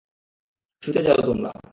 শুতে যাও তোমরা।